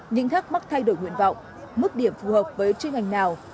những thắc mắc thay đổi nguyện vọng mức điểm phù hợp với chuyên ngành nào